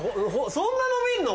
そんな伸びんの？